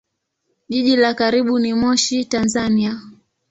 Jiji la karibu ni Moshi, Tanzania.